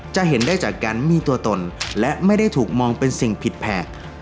จะเห็นได้จากการมีตัวตนและไม่ได้ถูกมองเป็นสิ่งผิดแผก